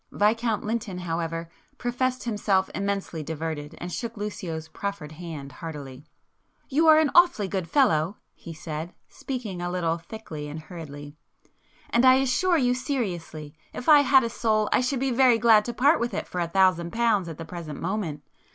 Viscount Lynton, however, professed himself immensely diverted, and shook Lucio's proffered hand heartily. "You are an awfully good fellow!" he said, speaking a little thickly and hurriedly—"And I assure you seriously if I had a soul I should be very glad to part with it for a thousand pounds at the present moment.